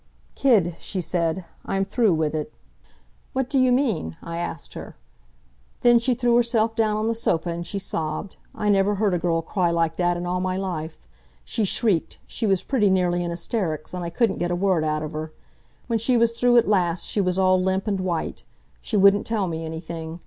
"'Kid,' she said, 'I'm through with it.' "'What do you mean?' I asked her. "Then she threw herself down on the sofa and she sobbed I never heard a girl cry like that in all my life. She shrieked, she was pretty nearly in hysterics, and I couldn't get a word out of her. When she was through at last, she was all limp and white. She wouldn't tell me anything.